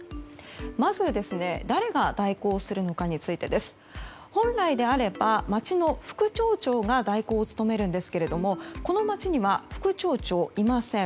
まず、誰が代行するのかについてです。本来であれば町の副町長が代行を務めるんですがこの町には副町長がいません。